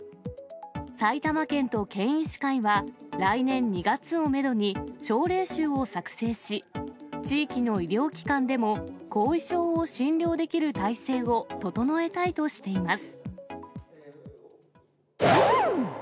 埼玉県と県医師会は、来年２月をメドに症例集を作成し、地域の医療機関でも後遺症を診療できる体制を整えたいとしています。